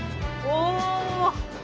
お！